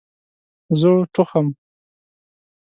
زه ټوخم